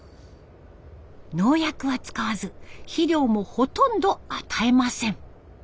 農薬は使わず肥料もほとんど与えません。